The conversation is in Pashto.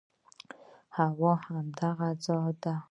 هو، دا هماغه ځای ده